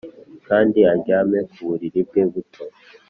kandi aryame ku buriri bwe buto.